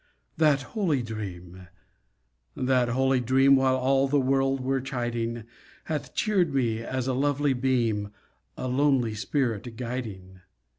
That holy dream—that holy dream, While all the world were chiding, Hath cheered me as a lovely beam A lonely spirit guiding.